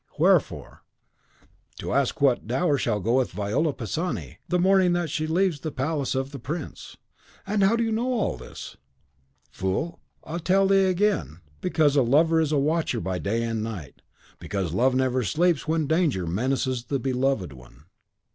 wherefore?" "To ask what dower shall go with Viola Pisani, the morning that she leaves the palace of the prince." "And how do you know all this?" "Fool! I tell thee again, because a lover is a watcher by night and day; because love never sleeps when danger menaces the beloved one!"